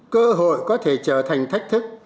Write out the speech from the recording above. cơ hội có thể trở thành thách thức